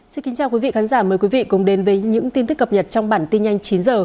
xin kính chào quý vị khán giả mời quý vị cùng đến với những tin tức cập nhật trong bản tin nhanh chín h